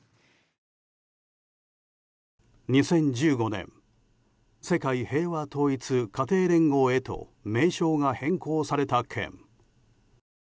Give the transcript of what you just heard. ２０１５年世界平和統一家庭連合へと名称が変更された件。